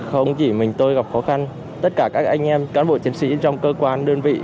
không chỉ mình tôi gặp khó khăn tất cả các anh em cán bộ chiến sĩ trong cơ quan đơn vị